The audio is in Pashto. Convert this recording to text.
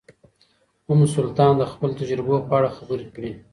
ام سلطان د خپلو تجربو په اړه خبرې کړې.